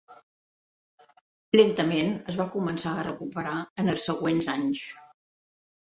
Lentament, es va començar a recuperar en els següents anys.